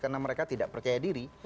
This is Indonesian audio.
karena mereka tidak percaya diri